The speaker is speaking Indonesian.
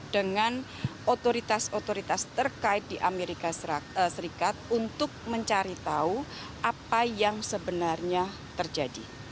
dengan otoritas otoritas terkait di amerika serikat untuk mencari tahu apa yang sebenarnya terjadi